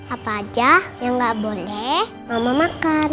apa aja yang nggak boleh mau makan